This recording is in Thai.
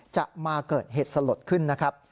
จะมาเกิดเหตุสลดขึ้นนะครับ